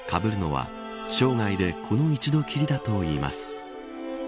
かぶるのは、生涯でこの一度きりだといいます。